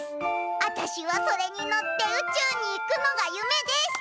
あたしはそれに乗って宇宙に行くのがゆめです！」。